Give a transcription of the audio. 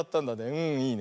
うんいいね。